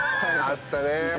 あったね。